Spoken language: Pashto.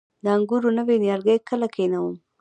د انګورو نوي نیالګي کله کینوم؟